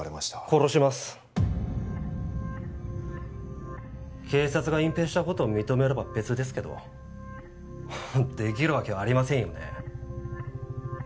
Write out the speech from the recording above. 殺します警察が隠蔽したことを認めれば別ですけどできるわけありませんよね？